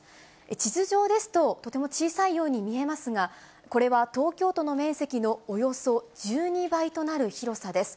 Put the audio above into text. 地図上ですと、とても小さいように見えますが、これは東京都の面積のおよそ１２倍となる広さです。